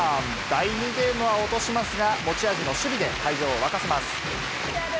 第２ゲームは落としますが、持ち味の守備で会場を沸かせます。